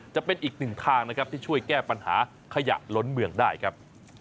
จะเป็นอีกหนึ่งทางนะครับที่ช่วยแก้ปัญหาขยะล้นเมืองได้ครับ